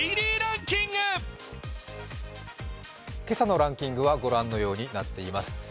今朝のランキングは御覧のようになっています。